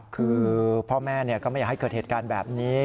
คือพ่อแม่ก็ไม่อยากให้เกิดเหตุการณ์แบบนี้